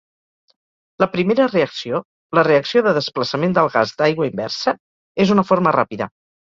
La primera reacció, la reacció de desplaçament del gas d'aigua inversa, és una forma ràpida.